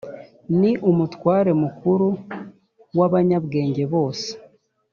ni umutware mukuru w’abanyabwenge bose